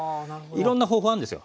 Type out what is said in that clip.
いろんな方法あるんですよ。